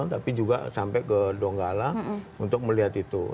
tapi juga sampai ke donggala untuk melihat itu